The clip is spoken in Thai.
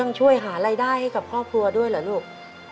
ช่วยหารายได้ให้กับครอบครัวด้วยเหรอลูก